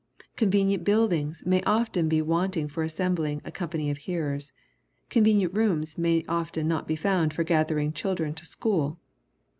Convenient buildings may often be wanting for assembling a company of hearers. Convenient rooms may often not be found for gathering children to school.